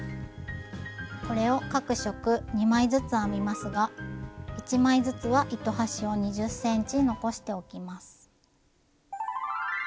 これを各色２枚ずつ編みますが１枚ずつは糸端を２０ｃｍ残しておきます。